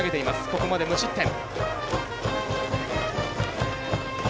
ここまで無失点。